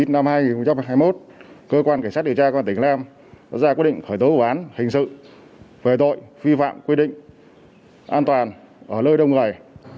năm hai nghìn hai mươi một cơ quan kẻ sát điều tra của tỉnh lêm đã ra quyết định khởi tố bản hình sự về tội vi phạm quy định an toàn ở nơi đông gầy